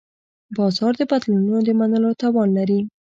بازار د بدلونونو د منلو توان لري.